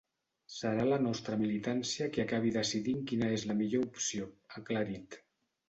Serà la nostra militància qui acabi decidint quina és la millor opció, ha aclarit.